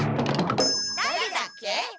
だれだっけ？